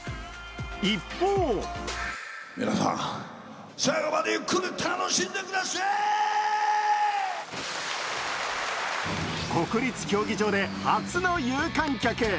一方国立競技場で初の有観客。